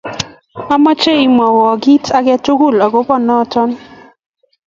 Amache imwawo kit age tugul neingen akopo noto